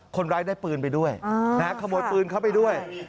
คนร้ายได้ปืนไปด้วยขโมยปืนเข้าไปด้วย